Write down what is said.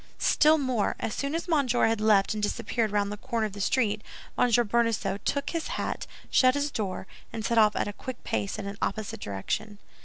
"Still more; as soon as Monsieur had left and disappeared round the corner of the street, Monsieur Bonacieux took his hat, shut his door, and set off at a quick pace in an opposite direction."